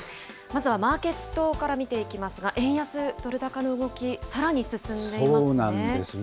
まずはマーケットから見ていきますが、円安ドル高の動き、さらに進んでいますね。